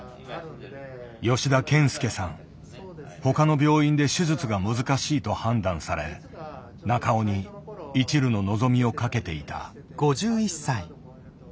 他の病院で手術が難しいと判断され中尾にいちるの望みをかけていた。